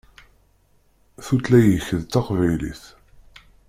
Tutlayt-ik d taqbaylit.